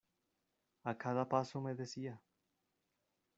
A cada paso me decía.